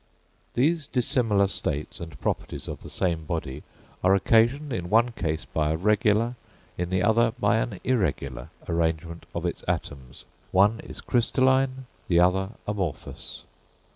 These dissimilar states and properties of the same body are occasioned in one case by a regular, in the other by an irregular, arrangement of its atoms; one is crystalline, the other amorphous.